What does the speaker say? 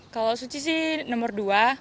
kalau suci sih nomor dua